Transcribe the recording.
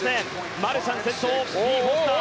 マルシャン、先頭次、フォスター。